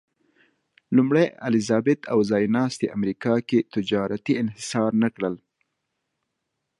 لومړۍ الیزابت او ځایناستي امریکا کې تجارت انحصار نه کړل.